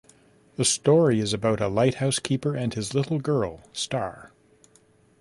The story is about a lighthouse keeper and his little girl, Star.